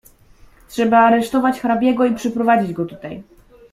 "Trzeba aresztować hrabiego i przyprowadzić go tutaj."